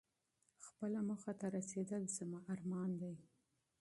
خپل هدف ته رسېدل زما ارمان دی.